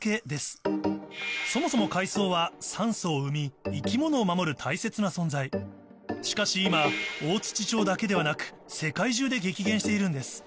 そもそも海藻は酸素を生み生き物を守る大切な存在しかし今大町だけではなく世界中で激減しているんです